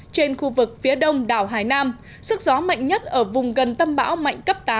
trên khu vực phía đông đảo hải nam sức gió mạnh nhất ở vùng gần tâm bão mạnh cấp tám